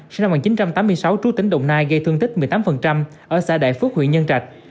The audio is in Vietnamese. sinh năm một nghìn chín trăm tám mươi sáu trú tỉnh đồng nai gây thương tích một mươi tám ở xã đại phước huyện nhân trạch